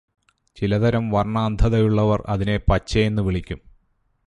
ചില തരം വർണാന്ധതയുള്ളവർ അതിനെ പച്ചയെന്നും വിളിക്കും.